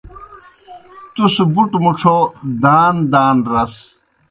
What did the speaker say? تُس بُٹوْ مُڇھو دان دان رَس۔